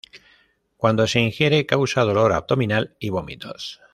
Cuando se ingiere, causa dolor abdominal y vómitos.